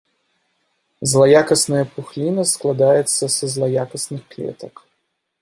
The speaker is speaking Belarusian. Злаякасная пухліна складаецца са злаякасных клетак.